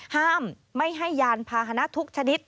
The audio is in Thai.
ห้ามไม่ให้ยานพาหนะทุกชนิด